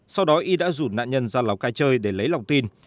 sau đó y đã rủ nạn nhân ra lào cai chơi để lấy lòng tin